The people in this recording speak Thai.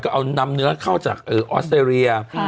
ก็เอานำเนื้อเข้าจากออสเตรเลีย